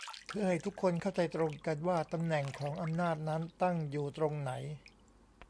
เพื่อให้ทุกคนเข้าใจตรงกันว่าตำแหน่งของอำนาจนั้นตั้งอยู่ตรงไหน